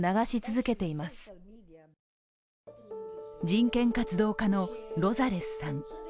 人権活動家のロザレスさん。